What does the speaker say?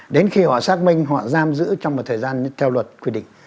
đến khi họ xác minh họ giam giữ trong một thời gian theo luật quy định